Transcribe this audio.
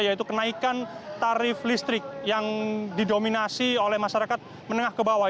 yaitu kenaikan tarif listrik yang didominasi oleh masyarakat menengah ke bawah